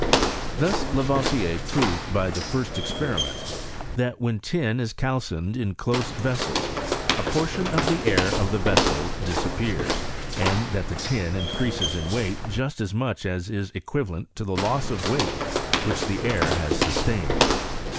Thus Lavoisier proved by these first experiments, that when tin is calcined in close vessels a portion of the air of the vessel disappears, and that the tia iacreasea in weight just as much as is equivalent to the loss of weight which the air has sustained.